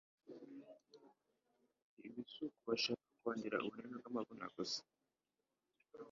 Ibi si ku bashaka kongera ubunini bw'amabuno gusa.